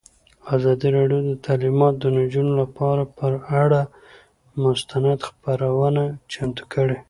ازادي راډیو د تعلیمات د نجونو لپاره پر اړه مستند خپرونه چمتو کړې.